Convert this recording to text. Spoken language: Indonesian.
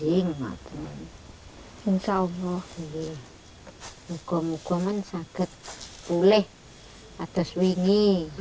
insya allah muka muka sangat boleh atas wangi